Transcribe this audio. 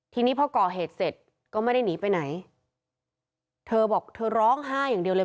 ทีนี้พอก่อเหตุเสร็จก็ไม่ได้หนีไปไหนเธอบอกเธอร้องไห้อย่างเดียวเลย